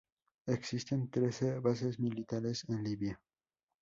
Existen trece bases militares en Libia.